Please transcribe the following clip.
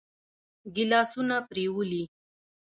ګيلاسونه پرېولي.